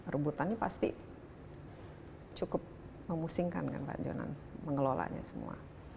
rebutannya pasti cukup memusingkan kan pak jonan mengelolanya semua